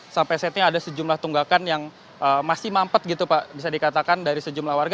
sampai saat ini ada sejumlah tunggakan yang masih mampet gitu pak bisa dikatakan dari sejumlah warga